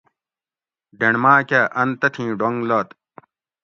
ڈینڑ ماۤکہۤ اۤن تتھیں ڈونگ لد